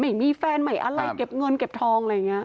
ไม่มีแฟนใหม่อะไรเก็บเงินเก็บทองอะไรอย่างนี้